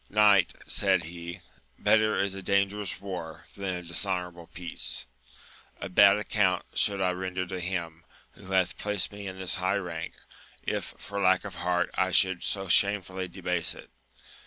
Knight, said he, better is a dangerous war, than a dishonourable peace : a bad account should I render to Him, who hath placed me in this high rank, if for lack of heart I should so shamefully debase it